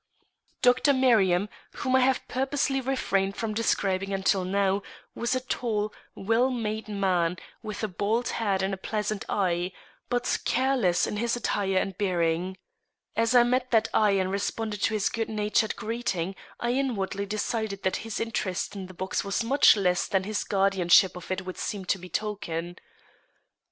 Dr. Merriam, whom I have purposely refrained from describing until now, was a tall, well made man, with a bald head and a pleasant eye, but careless in his attire and bearing. As I met that eye and responded to his good natured greeting, I inwardly decided that his interest in the box was much less than his guardianship of it would seem to betoken.